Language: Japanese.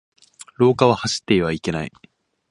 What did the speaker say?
廊下は走ってはいけない。